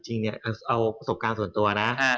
จริงเนี่ยเอาประสบการณ์ส่วนตัวนะ